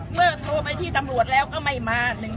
เมื่อโทรไปที่ตำรวจเราก็ไม่มา